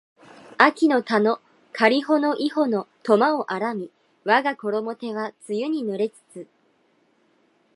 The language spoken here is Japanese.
秋の田のかりほの庵の苫を荒みわがころも手は露に濡れつつ